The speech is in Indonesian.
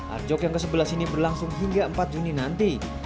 arjok yang kesebelah sini berlangsung hingga empat juni nanti